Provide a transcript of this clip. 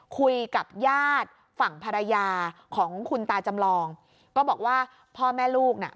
คุยกับญาติฝั่งภรรยาของคุณตาจำลองก็บอกว่าพ่อแม่ลูกน่ะ